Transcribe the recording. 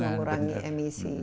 harus mengurangi emisi